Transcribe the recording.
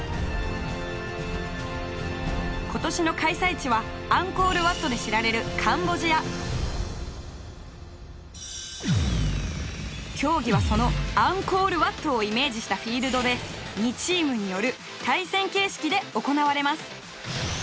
今年の開催地はアンコールワットで知られる競技はそのアンコールワットをイメージしたフィールドで２チームによる対戦形式で行われます。